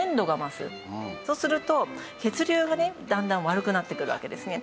そうすると血流がねだんだん悪くなってくるわけですね。